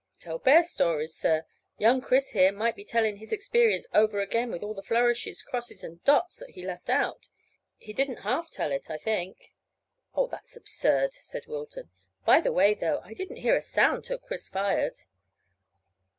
"Tell bear stories, sir. Young Chris here might begin by telling his experience over again with all the flourishes, crosses, and dots that he left out. He didn't half tell it, I think." "Oh, that's absurd," said Wilton. "By the way, though, I didn't hear a sound till Chris fired."